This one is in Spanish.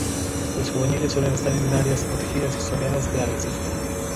Los juveniles suelen estar en áreas protegidas y soleadas del arrecife.